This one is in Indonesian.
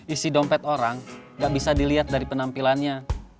isi dompet orang gak bisa dilihat dari penampilannya